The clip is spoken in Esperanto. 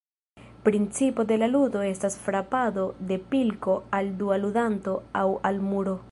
Principo de la ludo estas frapado de pilko al dua ludanto aŭ al muro.